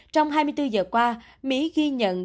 trong hai mươi bốn giờ qua mỹ ghi nhận